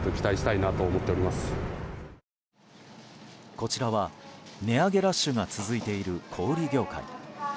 こちらは、値上げラッシュが続いている小売り業界。